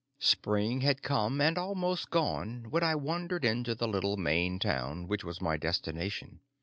III Spring had come and almost gone when I wandered into the little Maine town which was my destination.